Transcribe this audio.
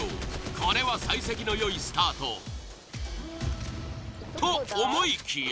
これは幸先のよいスタート。と思いきや。